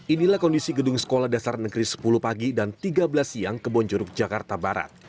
inilah kondisi gedung sekolah dasar negeri sepuluh pagi dan tiga belas siang ke bonjuruk jakarta barat